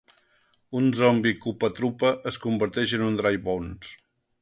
Un zombi Koopa Troopa es converteix en un Dry Bones.